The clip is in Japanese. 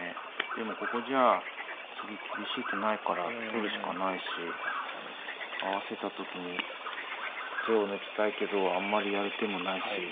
でもここじゃあ次厳しい手ないから取るしかないし合わせた時に手を抜きたいけどあんまりやる手もないし。